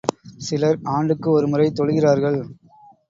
சிலர் ஆண்டுக்கு ஒரு முறை தொழுகிறார்கள்.